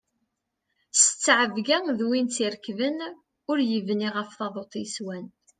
S ttɛebga d win tt-irekben, ur yebni ɣef taḍuṭ yeswan.